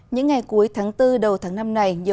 những ngày cuối tháng bốn đầu tháng năm này